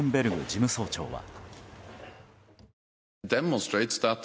事務総長は。